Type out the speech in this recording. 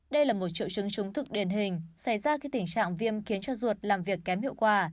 đây là một triệu chứng thực điển hình xảy ra khi tình trạng viêm khiến cho ruột làm việc kém hiệu quả